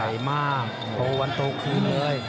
ใหญ่มากโตวันโตคืนเลย